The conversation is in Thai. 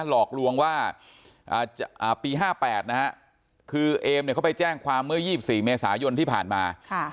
หลอกลวงว่าปี๕๘นะฮะคือเอมเขาไปแจ้งความเมื่อ๒๔เมษายนที่ผ่านมา